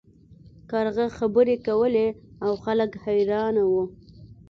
کارغه خبرې کولې او خلک حیران وو.